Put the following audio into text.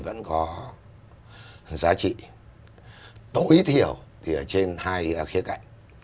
vẫn có giá trị tối thiểu trên hai khía cạnh